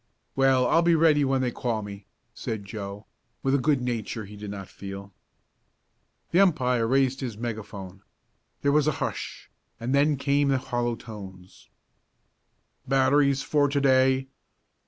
"Well, I'll be ready when they call me," said Joe, with a good nature he did not feel. The umpire raised his megaphone. There was a hush, and then came the hollow tones: "Batteries for to day.